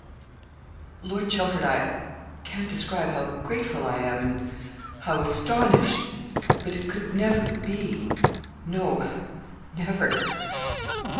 'Lord Chelford, I can't describe how grateful I am, and how astonished, but it could never be no never.'